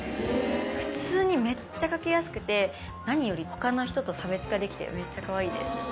普通にめっちゃかけやすくて何より他の人と差別化できてめっちゃかわいいです。